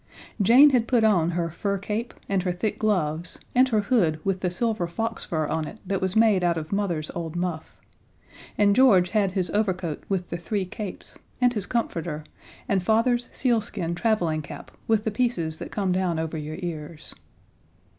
Jane had put on her fur cape and her thick gloves, and her hood with the silver fox fur on it that was made out of Mother's old muff; and George had his overcoat with the three capes, and his comforter, and Father's sealskin traveling cap with the pieces that come down over your ears.